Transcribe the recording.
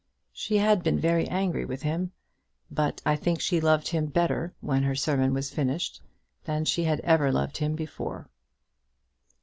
She had been very angry with him; but I think she loved him better when her sermon was finished, than she had ever loved him before.